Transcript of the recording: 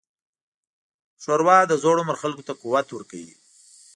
ښوروا د زوړ عمر خلکو ته قوت ورکوي.